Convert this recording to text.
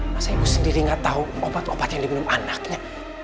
masa ibu sendiri nggak tahu apa tuh obat yang diminum anaknya